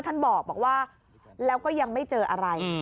ท่านบอกว่าแล้วก็ยังไม่เจออะไร